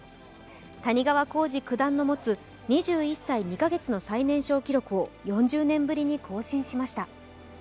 谷川浩司九段の持つ２１歳２か月の最年少記録を４０年ぶりに更新しました。